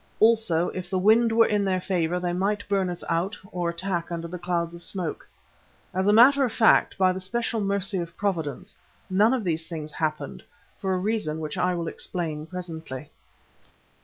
Also if the wind were in their favour, they might burn us out or attack under the clouds of smoke. As a matter of fact, by the special mercy of Providence, none of these things happened, for a reason which I will explain presently.